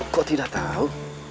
kok tidak tahu